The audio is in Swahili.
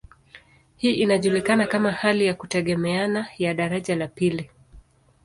Hii inajulikana kama hali ya kutegemeana ya daraja la pili.